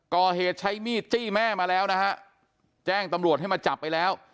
ก่อเหตุใช้มีดจี้แม่มาแล้วนะฮะแจ้งตำรวจให้มาจับไปแล้ว